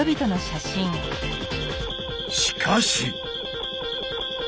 しかし！